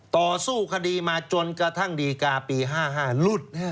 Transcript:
ต่อสู้คดีมาจนกระทั่งดีกาปี๕๕หลุด